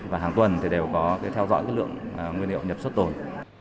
và hàng tuần đều có theo dõi lượng nguyên liệu nhập xuất tồn